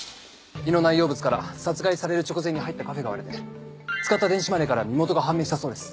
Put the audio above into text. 胃の内容物から殺害される直前に入ったカフェが割れて使った電子マネーから身元が判明したそうです。